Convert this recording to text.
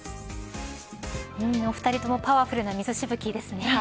お二人ともパワフルな水しぶきですね。